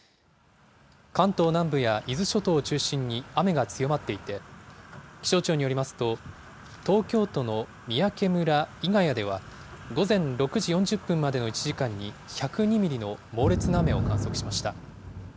関東南部や伊豆諸島を中心に雨が強まっていて、気象庁によりますと、東京都の三宅村伊ヶ谷では、午前６時４０分までの１時間に、１０２ミリの猛烈な雨を観測しました。